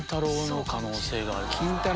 の可能性がある。